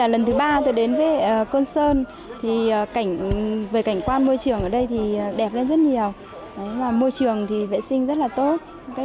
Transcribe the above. lần thứ ba tôi đến với côn sơn thì về cảnh quan môi trường ở đây thì đẹp lên rất nhiều môi trường thì vệ sinh rất là tốt